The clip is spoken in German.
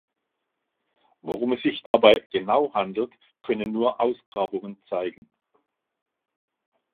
Worum es sich dabei genau handelt können nur Ausgrabungen zeigen.